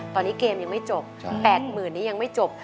ตอนนี้เกมยังไม่จบ๘๐๐๐นี้ยังไม่จบ